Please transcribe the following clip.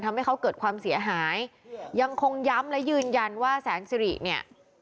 ทำให้เขาเกิดความเสียหายยังคงย้ำและยืนยันว่าแสนสิริเนี่ย